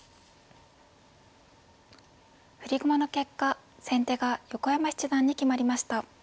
振り駒の結果先手が横山七段に決まりました。